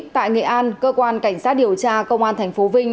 tại nghệ an cơ quan cảnh sát điều tra công an tp vinh